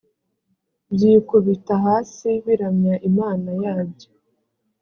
byikubita hasi biramya imana yabyo